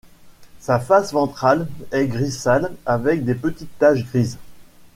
Sa face ventrale est gris sale avec de petites taches grises.